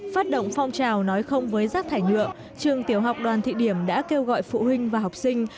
phát động phong trào nói không với rác thải nhựa trường tiểu học đoàn thị điểm đã kêu gọi phụ huynh và học sinh